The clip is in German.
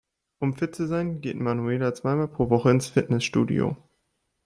Um fit zu sein, geht Manuela zweimal pro Woche ins Fitnessstudio.